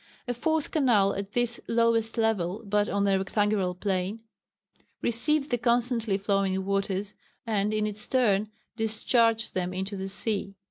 A fourth canal at this lowest level, but on a rectangular plan, received the constantly flowing waters, and in its turn discharged them into the sea.